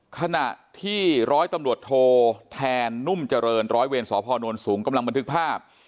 ขณะที่ร้อยตำรวจโทแทนนุ่มเจริญร้อยเวรสพนสูงกำลังบันทึกภาพ